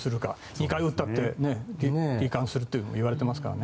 ２回打ったって罹患するといわれてますからね。